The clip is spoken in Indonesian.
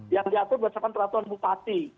yang diatur berdasarkan peraturan bupati